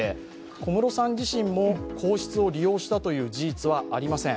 小室さん自身も皇室を利用したという事実はありません